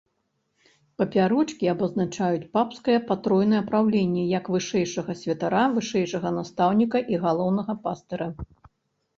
Папярочкі абазначаюць папскае патройнае праўленне як вышэйшага святара, вышэйшага настаўніка і галоўнага пастыра.